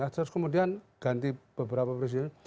terus kemudian ganti beberapa presiden